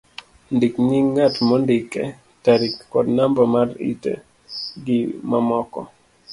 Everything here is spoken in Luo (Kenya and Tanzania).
ndik nying' ng'at mondike, tarik, kod namba mar ite, gi mamoko